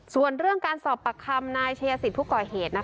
ส่วนเรื่องการสอบปากคำนายชายสิทธิ์ผู้ก่อเหตุ